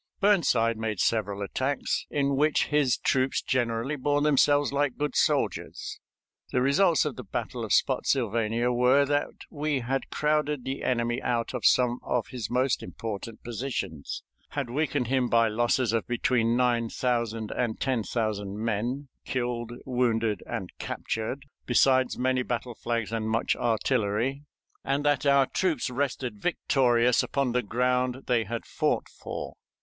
Burnside made several attacks, in which his troops generally bore themselves like good soldiers. The results of the battle of Spottsylvania were that we had crowded the enemy out of some of his most important positions, had weakened him by losses of between nine thousand and ten thousand men killed, wounded, and captured, besides many battle flags and much artillery, and that our troops rested victorious upon the ground they had fought for.